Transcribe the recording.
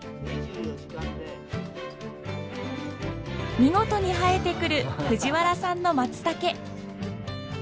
見事に生えてくる藤原さんのマツタケ。